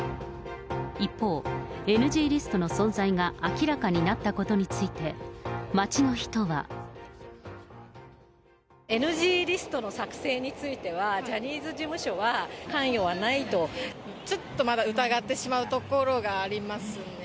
一方、ＮＧリストの存在が明らかになったことについて、街の人は。ＮＧリストの作成については、ジャニーズ事務所は、関与はないちょっとまだ疑ってしまうところがありますね。